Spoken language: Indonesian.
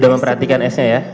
tidak memperhatikan esnya ya